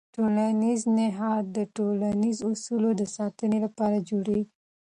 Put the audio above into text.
ټولنیز نهاد د ټولنیزو اصولو د ساتنې لپاره جوړېږي.